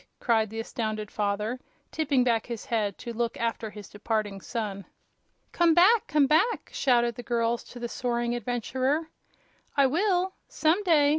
cried the astounded father, tipping back his head to look after his departing son. "Come back! Come back!" shouted the girls to the soaring adventurer. "I will some day!"